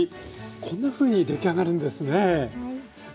こんなふうに出来上がるんですね。